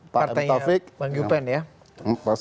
partai yang bang yupen ya